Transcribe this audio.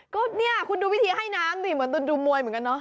ก็เนี่ยคุณดูวิธีให้น้ำสิเหมือนดูมวยเหมือนกันเนาะ